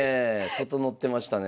整ってましたね。